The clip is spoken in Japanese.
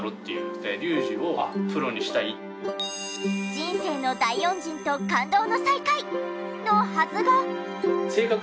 人生の大恩人と感動の再会！のはずが。